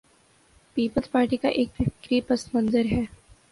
Peoples Party کا ایک فکری پس منظر ہے۔